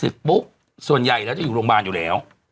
ปุ๊บส่วนใหญ่แล้วจะอยู่โรงพยาบาลอยู่แล้ว